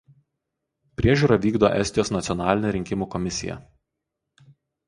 Priežiūrą vykdo Estijos nacionalinė rinkimų komisija.